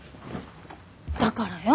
だからよ。